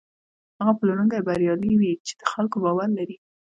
هغه پلورونکی بریالی وي چې د خلکو باور لري.